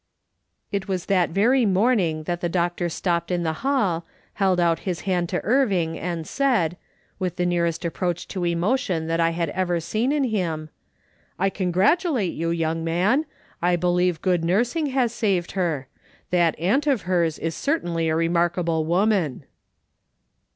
It was that very morning that the doctor stopped in the hall, held out his hand to Irving, and said, with the nearest approach to emotion that I had ever seen in him :" I congratulate you, young man ! I believe good nursing has saved her. That aunt of hers is certainly a remarkable woman."